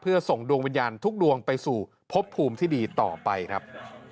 เพื่อส่งดวงวิญญาณทุกดวงไปสู่พบภูมิที่ดีต่อไปครับ